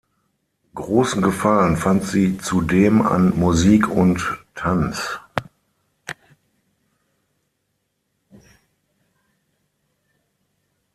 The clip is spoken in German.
Großen Gefallen fand sie zudem an Musik und Tanz.